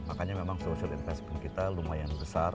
makanya memang social investment kita lumayan besar